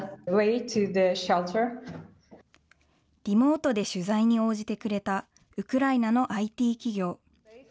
リモートで取材に応じてくれた、ウクライナのＩＴ企業。